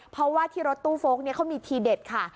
เพราะว่าที่รถตู้โฟลกนี้เขามีทีเด็ดค่ะ